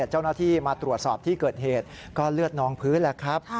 เจ้าหน้าที่มาตรวจสอบที่เกิดเหตุก็เลือดนองพื้นแล้วครับ